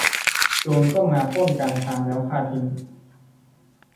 โจรก็มาปล้นกลางทางแล้วฆ่าทั้ง